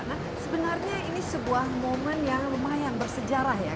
nah sebenarnya ini sebuah momen yang lumayan bersejarah ya